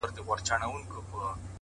صادق نیت د لارې تیاره کموي؛